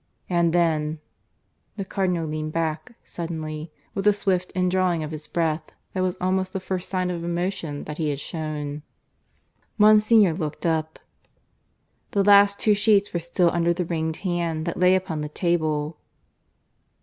And then The Cardinal leaned back suddenly, with a swift indrawing of his breath that was almost the first sign of emotion that he had shown. Monsignor looked up. The last two sheets were still under the ringed hand that lay upon the table.